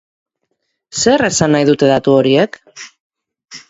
Zer esan nahi dute datu horiek?